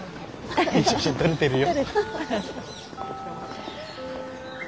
いい写真撮れてるよ。